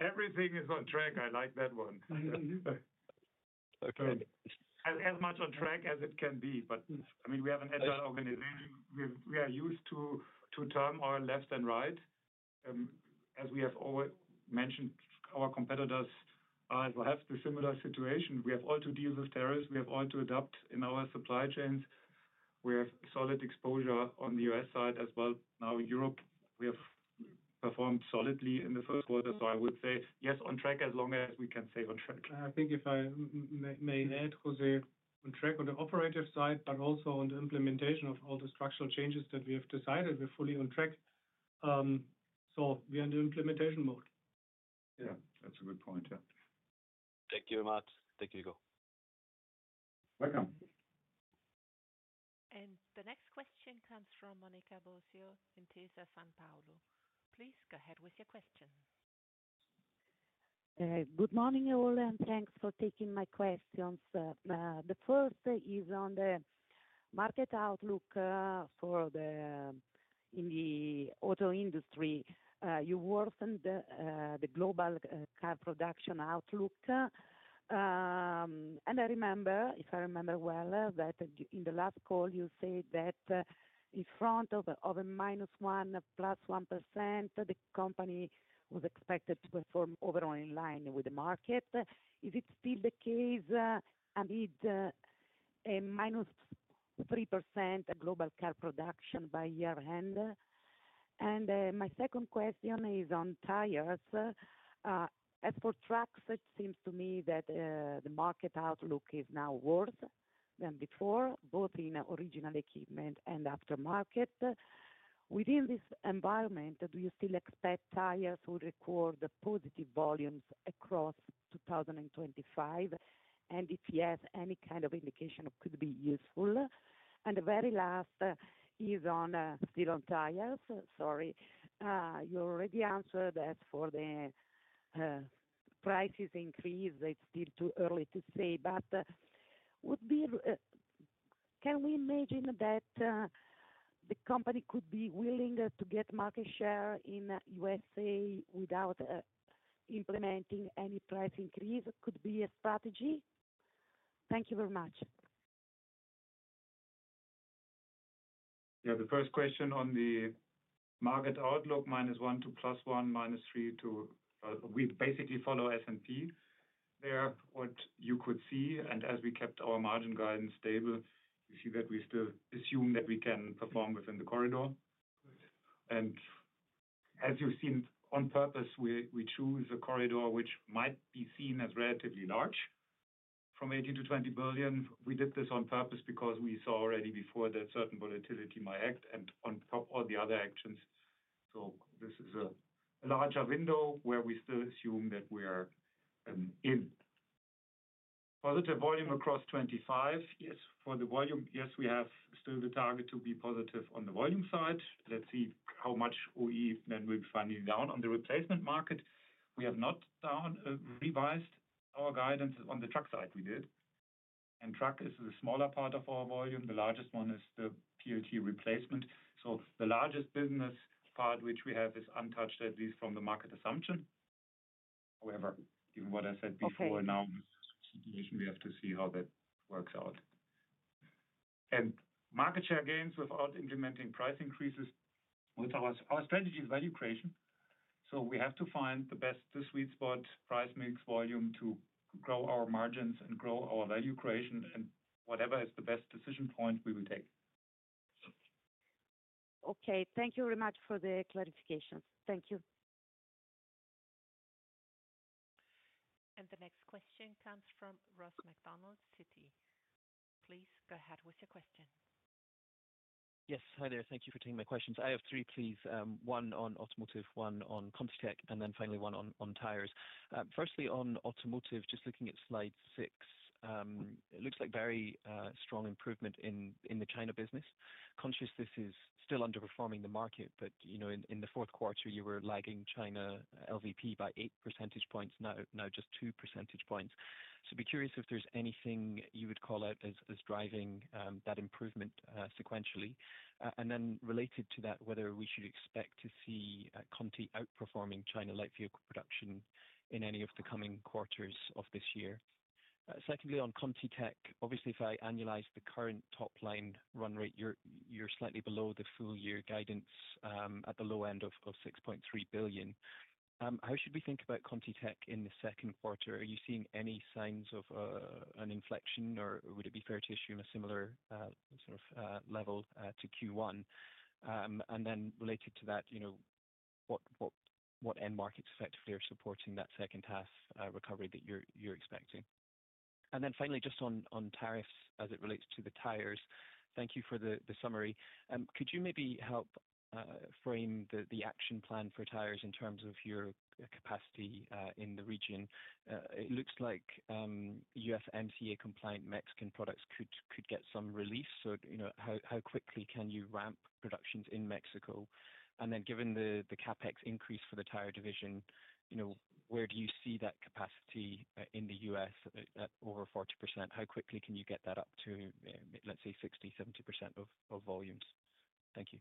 Everything is on track. I like that one. Okay. As much on track as it can be. I mean, we have an agile organization. We are used to turn our left and right. As we have always mentioned, our competitors will have the similar situation. We have all to deal with tariffs. We have all to adapt in our supply chains. We have solid exposure on the U.S. side as well. Now in Europe, we have performed solidly in the first quarter. I would say, yes, on track as long as we can say on track. I think if I may add, José, on track on the operative side, but also on the implementation of all the structural changes that we have decided, we are fully on track. We are in the implementation mode. Yeah, that's a good point. Thank you very much. Thank you, Nico. Welcome. The next question comes from Monica Bosio, Intesa SanPaolo. Please go ahead with your question. Good morning, everyone, and thanks for taking my questions. The first is on the market outlook for the auto industry. You wrote the global car production outlook. I remember, if I remember well, that in the last call, you said that in front of a -1% to +1%, the company was expected to perform overall in line with the market. Is it still the case? It is a -3% global car production by year-end. My second question is on Tires. As for trucks, it seems to me that the market outlook is now worse than before, both in original equipment and aftermarket. Within this environment, do you still expect Tires will record positive volumes across 2025? If yes, any kind of indication could be useful. The very last is still on Tires. Sorry, you already answered that for the prices increase. It's still too early to say, but can we imagine that the company could be willing to get market share in the U.S. without implementing any price increase? Could be a strategy. Thank you very much. Yeah, the first question on the market outlook, -1 to +1, -3 to we basically follow S&P there, what you could see. As we kept our margin guidance stable, you see that we still assume that we can perform within the corridor. As you've seen, on purpose, we choose a corridor which might be seen as relatively large from 80 billion to 20 billion. We did this on purpose because we saw already before that certain volatility might act and on top all the other actions. This is a larger window where we still assume that we are in. Positive volume across 2025. Yes, for the volume, yes, we have still the target to be positive on the volume side. Let's see how much OE then will be finding down on the replacement market. We have not revised our guidance on the truck side. We did, and truck is the smaller part of our volume. The largest one is the PLT replacement. The largest business part which we have is untouched, at least from the market assumption. However, given what I said before, now we have to see how that works out. Market share gains without implementing price increases. Our strategy is value creation. We have to find the best sweet spot, price mix, volume to grow our margins and grow our value creation and whatever is the best decision point we will take. Okay. Thank you very much for the clarifications. Thank you. The next question comes from Ross MacDonald, Citi. Please go ahead with your question. Yes. Hi there. Thank you for taking my questions. I have three, please. One on Automotive, one on ContiTech, and then finally one on Tires. Firstly, on Automotive, just looking at slide six, it looks like very strong improvement in the China business. Conscious this is still underperforming the market, but in the fourth quarter, you were lagging China LVP by 8 percentage points, now just 2 percentage points. I would be curious if there's anything you would call out as driving that improvement sequentially. Related to that, whether we should expect to see Continental outperforming China light vehicle production in any of the coming quarters of this year. Secondly, on ContiTech, obviously, if I analyze the current top line run rate, you're slightly below the full year guidance at the low end of 6.3 billion. How should we think about ContiTech in the second quarter? Are you seeing any signs of an inflection, or would it be fair to assume a similar sort of level to Q1? Related to that, what end markets effectively are supporting that second half recovery that you're expecting? Finally, just on tariffs as it relates to the Tires, thank you for the summary. Could you maybe help frame the action plan for Tires in terms of your capacity in the region? It looks like USMCA compliant Mexican products could get some release. How quickly can you ramp productions in Mexico? Given the CapEx increase for the tire division, where do you see that capacity in the U.S. over 40%? How quickly can you get that up to, let's say, 60-70% of volumes? Thank you.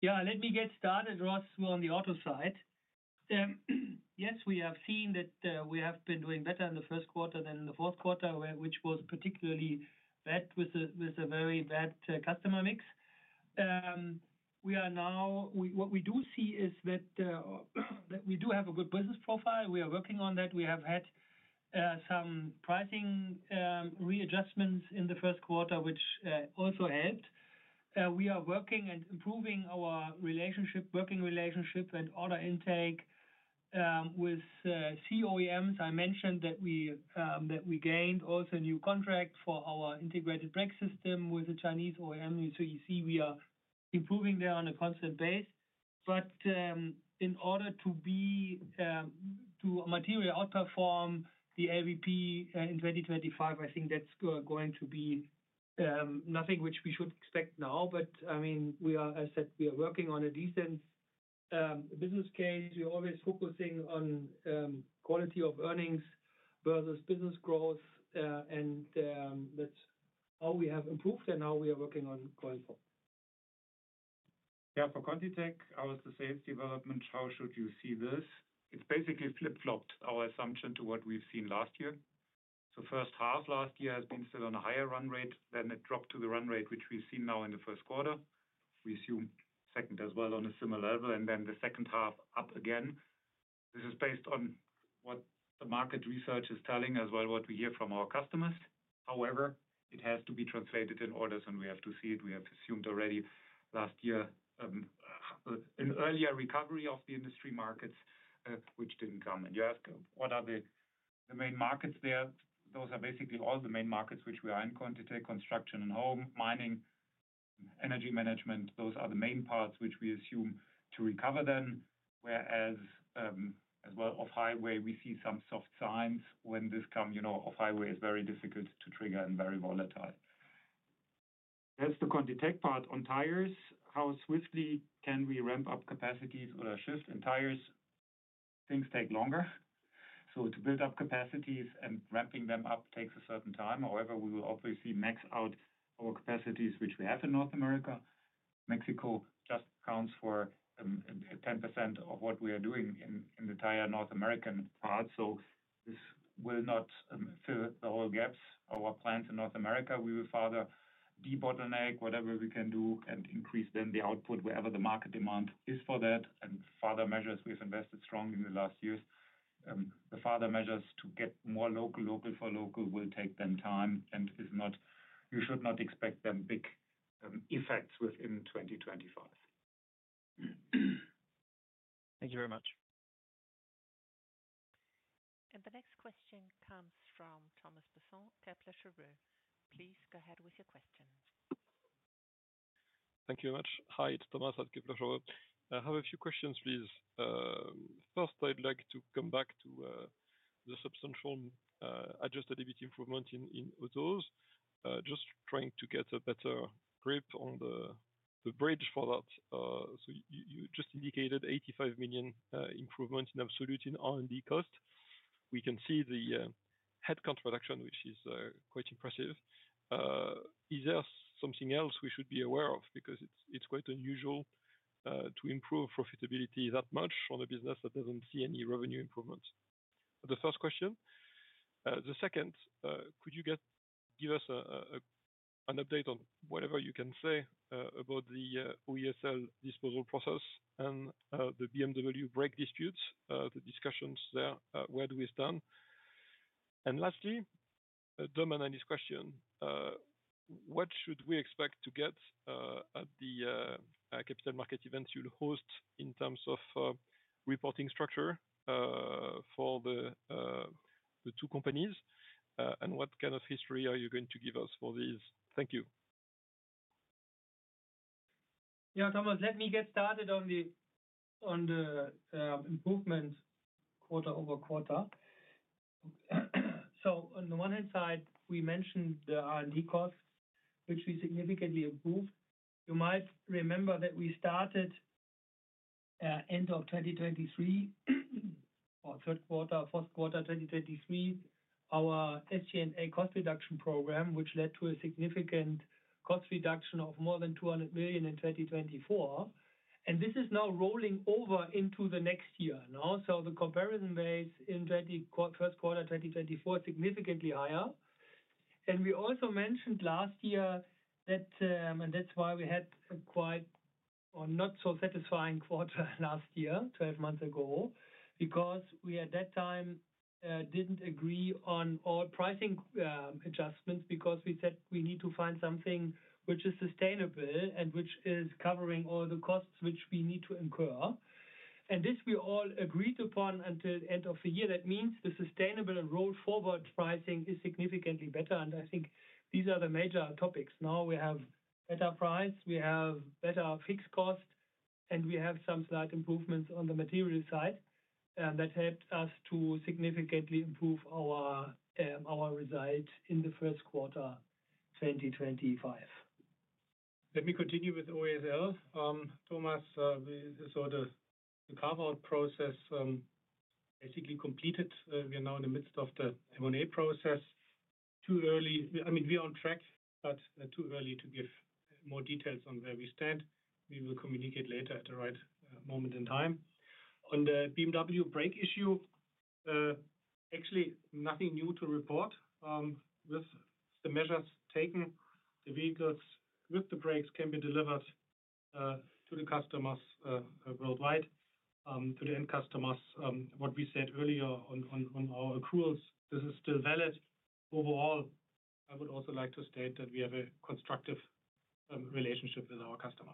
Yeah, let me get started, Ross, on the auto side. Yes, we have seen that we have been doing better in the first quarter than in the fourth quarter, which was particularly bad with a very bad customer mix. What we do see is that we do have a good business profile. We are working on that. We have had some pricing readjustments in the first quarter, which also helped. We are working and improving our working relationship and order intake with OEMs. I mentioned that we gained also a new contract for our integrated brake system with a Chinese OEM. You see we are improving there on a constant base. In order to materially outperform the LVP in 2025, I think that's going to be nothing which we should expect now. I mean, as I said, we are working on a decent business case. We're always focusing on quality of earnings versus business growth. That is how we have improved and how we are working on going forward. Yeah, for ContiTech, how is the sales development? How should you see this? It's basically flip-flopped our assumption to what we've seen last year. First half last year has been still on a higher run rate. Then it dropped to the run rate which we've seen now in the first quarter. We assume second as well on a similar level. The second half up again. This is based on what the market research is telling as well, what we hear from our customers. However, it has to be translated in orders, and we have to see it. We have assumed already last year an earlier recovery of the industry markets, which didn't come. You ask what are the main markets there, those are basically all the main markets which we are in: ContiTech, construction and home, mining, energy management. Those are the main parts which we assume to recover then. Whereas as well off-highway, we see some soft signs when this come. Off-highway is very difficult to trigger and very volatile. That is the ContiTech part on Tires. How swiftly can we ramp up capacities or shift in Tires? Things take longer. To build up capacities and ramping them up takes a certain time. However, we will obviously max out our capacities which we have in North America. Mexico just accounts for 10% of what we are doing in the entire North American part. This will not fill the whole gaps, our plans in North America. We will further de-bottleneck whatever we can do and increase then the output wherever the market demand is for that. Further measures, we have invested strongly in the last years. The further measures to get more local, local for local will take time. You should not expect them to have big effects within 2025. Thank you very much. The next question comes from Thomas Besson, Kepler Cheuvreux. Please go ahead with your question. Thank you very much. Hi, it's Thomas at Kepler Chereux. I have a few questions, please. First, I'd like to come back to the substantial adjusted EBIT improvement in autos. Just trying to get a better grip on the bridge for that. You just indicated 85 million improvement in absolute in R&D cost. We can see the headcount reduction, which is quite impressive. Is there something else we should be aware of? Because it's quite unusual to improve profitability that much on a business that doesn't see any revenue improvement. The first question. The second, could you give us an update on whatever you can say about the OESL disposal process and the BMW brake disputes, the discussions there, where do we stand? Lastly, a dumb and honest question. What should we expect to get at the capital market events you'll host in terms of reporting structure for the two companies? What kind of history are you going to give us for these? Thank you. Yeah, Thomas, let me get started on the improvement quarter-over-quarter. On the one hand side, we mentioned the R&D costs, which we significantly improved. You might remember that we started end of 2023 or third quarter, fourth quarter 2023, our SG&A cost reduction program, which led to a significant cost reduction of more than 200 million in 2024. This is now rolling over into the next year now. The comparison base in first quarter 2024 is significantly higher. We also mentioned last year that, and that's why we had a quite not so satisfying quarter last year, 12 months ago, because we at that time did not agree on all pricing adjustments because we said we need to find something which is sustainable and which is covering all the costs which we need to incur. We all agreed upon this until the end of the year. That means the sustainable and rolled forward pricing is significantly better. I think these are the major topics. Now we have better price, we have better fixed cost, and we have some slight improvements on the material side. That helped us to significantly improve our result in the first quarter 2025. Let me continue with OESL. Thomas, the carve-out process basically completed. We are now in the midst of the M&A process. I mean, we are on track, but too early to give more details on where we stand. We will communicate later at the right moment in time. On the BMW brake issue, actually nothing new to report. With the measures taken, the vehicles with the brakes can be delivered to the customers worldwide, to the end customers. What we said earlier on our accruals, this is still valid. Overall, I would also like to state that we have a constructive relationship with our customer.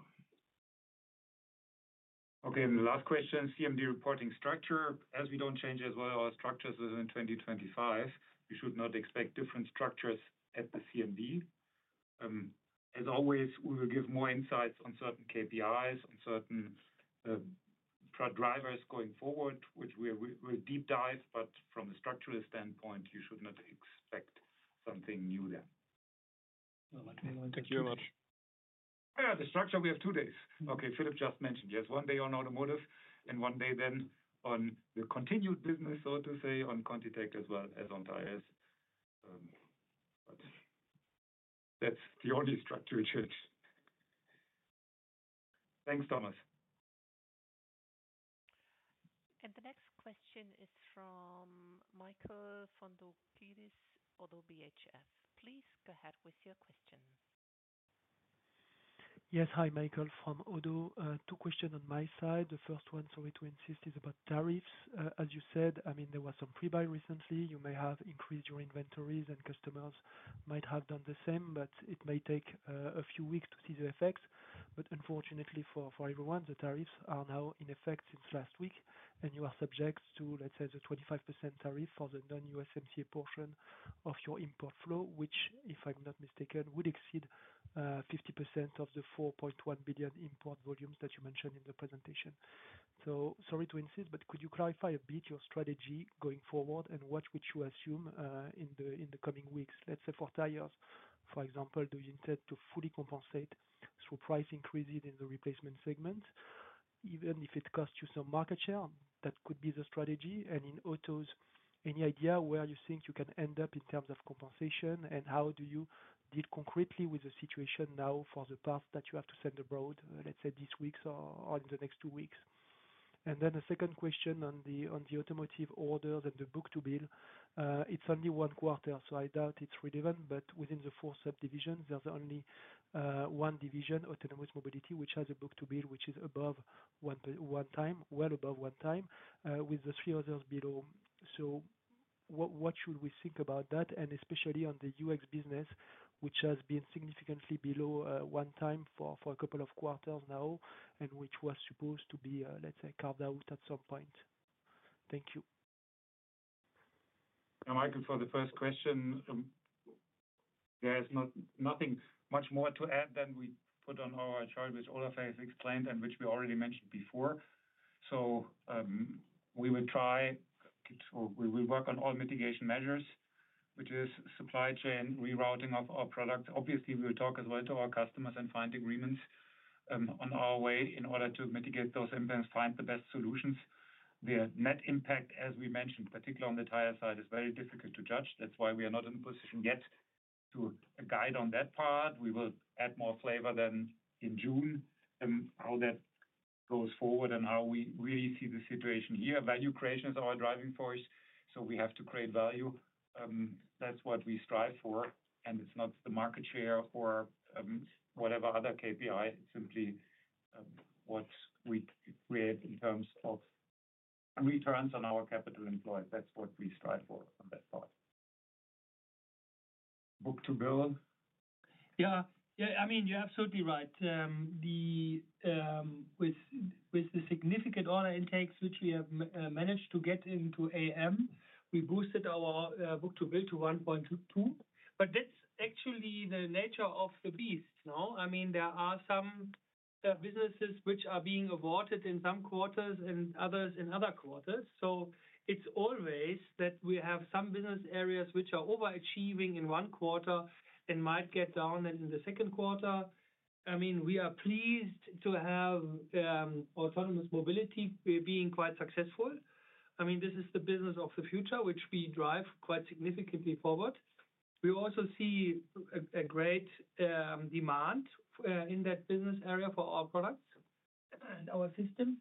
Okay, and the last question, CMD reporting structure. As we do not change as well our structures as in 2025, we should not expect different structures at the CMD. As always, we will give more insights on certain KPIs, on certain drivers going forward, which we will deep dive, but from a structural standpoint, you should not expect something new there. Thank you very much. Yeah, the structure we have two days. Okay, Philipp just mentioned, yes, one day on Automotive and one day then on the continued business, so to say, on ContiTech as well as on Tires. That is the only structure change. Thanks, Thomas. The next question is from Michael Foundoukidis, ODDO BHF. Please go ahead with your question. Yes, hi Michael from ODDO. Two questions on my side. The first one, sorry to insist, is about tariffs. As you said, I mean, there was some pre-buy recently. You may have increased your inventories and customers might have done the same, it may take a few weeks to see the effects. Unfortunately for everyone, the tariffs are now in effect since last week. You are subject to, let's say, the 25% tariff for the non-USMCA portion of your import flow, which, if I'm not mistaken, would exceed 50% of the $4.1 billion import volumes that you mentioned in the presentation. Sorry to insist, but could you clarify a bit your strategy going forward and what would you assume in the coming weeks? Let's say for Tires, for example, do you intend to fully compensate through price increases in the replacement segment? Even if it costs you some market share, that could be the strategy. In autos, any idea where you think you can end up in terms of compensation and how do you deal concretely with the situation now for the parts that you have to send abroad, let's say, this week or in the next two weeks? The second question on the Automotive orders and the book-to-bill, it's only one quarter, so I doubt it's relevant, but within the four subdivisions, there's only one division, autonomous mobility, which has a book-to-bill which is above one time, well above one time, with the three others below. What should we think about that? Especially on the UX business, which has been significantly below one time for a couple of quarters now, and which was supposed to be, let's say, carved out at some point. Thank you. Yeah, Michael, for the first question, there is nothing much more to add than we put on our chart which all of us have explained and which we already mentioned before. We will try or we will work on all mitigation measures, which is supply chain rerouting of our product. Obviously, we will talk as well to our customers and find agreements on our way in order to mitigate those impacts, find the best solutions. The net impact, as we mentioned, particularly on the tire side, is very difficult to judge. That is why we are not in a position yet to guide on that part. We will add more flavor then in June, how that goes forward and how we really see the situation here. Value creation is our driving force, so we have to create value. That is what we strive for. It is not the market share or whatever other KPI, it is simply what we create in terms of returns on our capital employed. That is what we strive for on that part. Book to bill? Yeah, yeah, I mean, you're absolutely right. With the significant order intakes, which we have managed to get into AM, we boosted our book-to-bill to 1.2. Actually, that's the nature of the beast now. I mean, there are some businesses which are being awarded in some quarters and others in other quarters. It's always that we have some business areas which are overachieving in one quarter and might get down then in the second quarter. I mean, we are pleased to have autonomous mobility being quite successful. I mean, this is the business of the future, which we drive quite significantly forward. We also see a great demand in that business area for our products and our systems.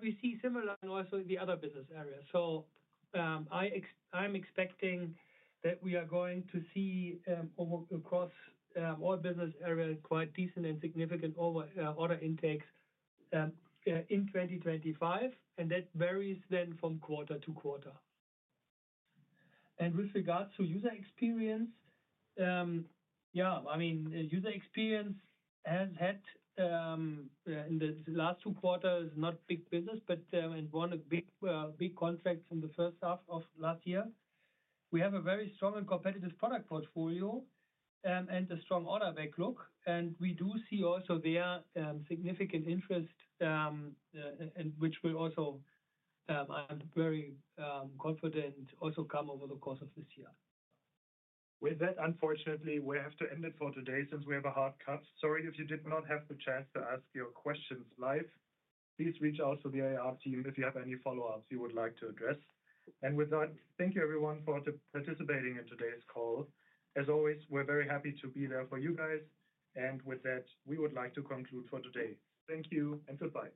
We see similar also in the other business areas. I am expecting that we are going to see across all business areas quite decent and significant order intakes in 2025. That varies then from quarter-to-quarter. With regards to user experience, yeah, I mean, user experience has had in the last two quarters, not big business, but won a big contract in the first half of last year. We have a very strong and competitive product portfolio and a strong order backlog. We do see also there significant interest, which will also, I am very confident, also come over the course of this year. With that, unfortunately, we have to end it for today since we have a hard cut. Sorry if you did not have the chance to ask your questions live. Please reach out to the IR team if you have any follow-ups you would like to address. With that, thank you everyone for participating in today's call. As always, we're very happy to be there for you guys. With that, we would like to conclude for today. Thank you and goodbye.